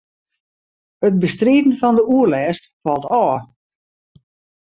It bestriden fan de oerlêst falt ôf.